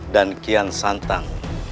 dan kian santang